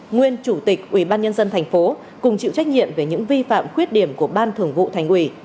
nguyên chủ tịch ubnd tp hcm cùng chịu trách nhiệm về những vi phạm khuyết điểm của ban thường vụ thành ủy